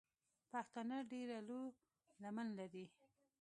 پښتانه ډېره لو لمن لري.